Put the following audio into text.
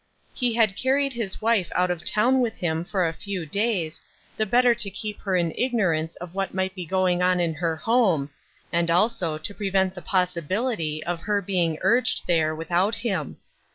He had carried his wife out of town with him for a few days, the better to keep her in ignorance of what might be going on in her home, and also 276 "o, mamma! good by!*' to prevent the possibility of her being urged there without him.